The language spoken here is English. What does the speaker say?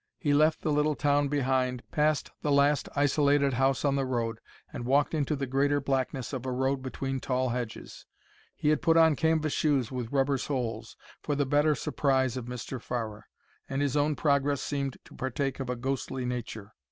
He left the little town behind, passed the last isolated house on the road, and walked into the greater blackness of a road between tall hedges. He had put on canvas shoes with rubber soles, for the better surprise of Mr. Farrer, and his own progress seemed to partake of a ghostly nature.